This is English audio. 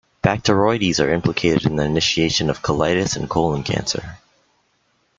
Bacteroides are implicated in the initiation of colitis and colon cancer.